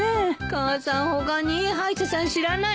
母さん他にいい歯医者さん知らない？